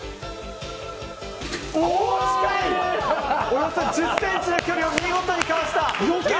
およそ１０ｃｍの距離を見事にかわした！